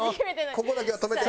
ここだけは止めて。